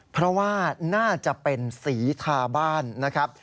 เพราะว่าน่าจะเป็นสีทาบ้านนะครับ